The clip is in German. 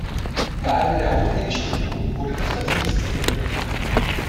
Überall in der Europäischen Union wurde das Vertriebssystem geöffnet.